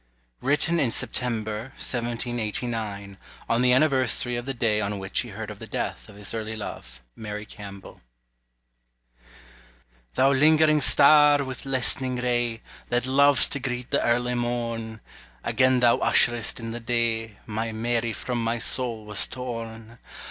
[Written in September, 1789, on the anniversary of the day on which he heard of the death of his early love, Mary Campbell.] Thou lingering star, with lessening ray, That lov'st to greet the early morn, Again thou usher'st in the day My Mary from my soul was torn.